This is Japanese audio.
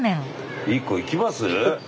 一個いきます？